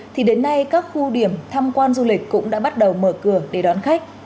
thì đến nay các khu điểm tham quan du lịch cũng đã bắt đầu mở cửa để đón khách